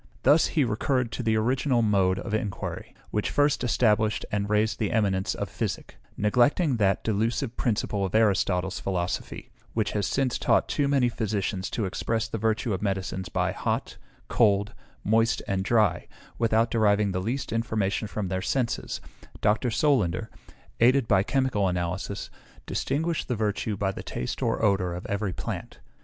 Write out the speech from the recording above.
Thus he recurred to the original mode of inquiry, which first established and raised the eminence of physic; neglecting that delusive principle of Aristotle's philosophy, which has since taught too many physicians to express the virtue of medicines by hot, cold, moist, and dry, without deriving the least information from their senses Dr. Solander, aided by chemical analysis, distinguished the virtue by the taste or odour of every plant.